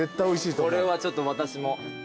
これはちょっと私も。